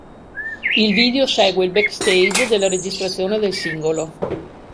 Il video segue il backstage della registrazione del singolo.